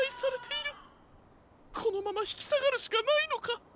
このままひきさがるしかないのか？